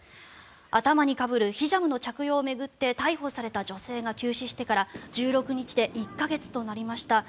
頭にかぶるヒジャブの着用を巡って逮捕された女性が急死してから１６日で１か月となりました。